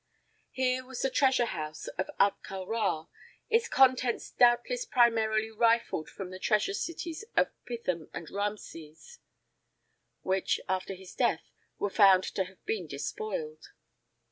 Here was the treasure house of Ahtka Rā, its contents doubtless primarily rifled from the treasure cities of Pithom and Raamses, which after his death were found to have been despoiled.